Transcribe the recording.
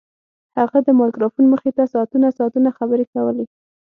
هغه د مایکروفون مخې ته ساعتونه ساعتونه خبرې کولې